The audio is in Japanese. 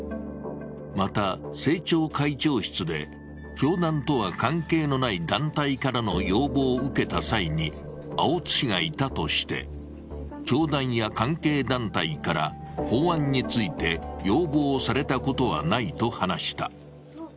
また、政調会長室で、教団とは関係のない団体からの要望を受けた際に青津氏がいたとして、教団や関係団体から法案について要望をされたことはないと話した。